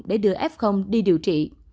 để đưa f đi điều trị